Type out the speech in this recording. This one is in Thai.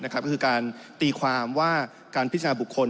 ก็คือการตีความว่าการพิจารณาบุคคล